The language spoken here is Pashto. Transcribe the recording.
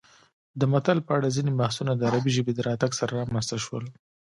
د متل په اړه ځینې بحثونه د عربي ژبې د راتګ سره رامنځته شول